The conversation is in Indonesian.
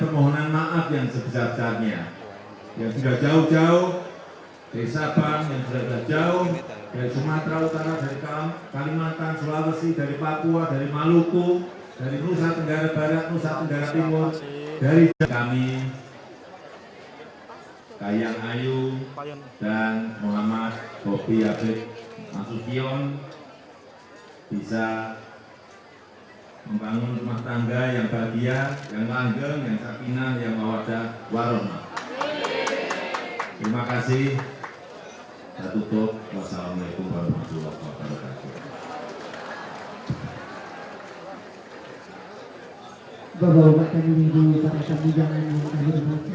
wassalamualaikum warahmatullahi wabarakatuh